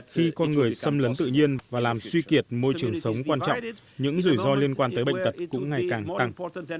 khi con người xâm lấn tự nhiên và làm suy kiệt môi trường sống quan trọng những rủi ro liên quan tới bệnh tật cũng ngày càng tăng